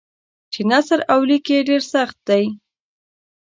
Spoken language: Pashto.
چې نثر او لیک یې ډېر سخت دی.